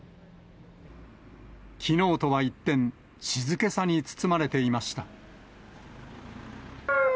きのうとは一転、静けさに包まれていました。